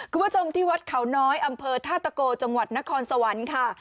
คุณผู้ชมที่วัดเขาน้อยอำเภอท่าตะโกจังหวัดนครสวรรค์ค่ะ